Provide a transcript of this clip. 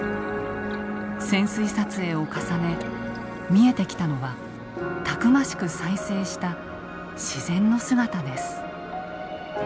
潜水撮影を重ね見えてきたのはたくましく再生した自然の姿です。